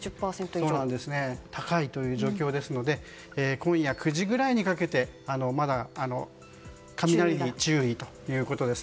高い状況ですので今夜９時ぐらいにかけてまだ雷に注意ということです。